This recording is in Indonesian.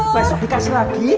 besok dikasih lagi